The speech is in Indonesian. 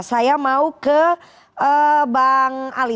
saya mau ke bang ali